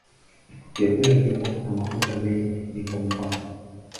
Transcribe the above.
Vyakula vilivyo na mafuta mengi ni kwa mfano.